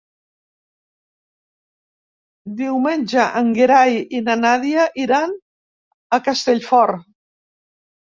Diumenge en Gerai i na Nàdia iran a Castellfort.